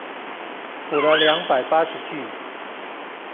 補了兩百八十句